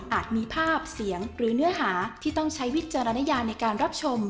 มีภาพเสียงหรือเนื้อหาที่ต้องใช้วิจารณญาในการรับชม